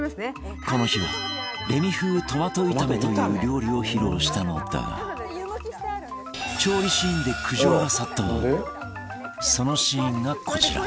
この日はレミ風トマト炒めという料理を披露したのだが調理シーンでそのシーンがこちら